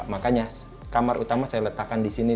makanya kamar utama saya letakkan di sini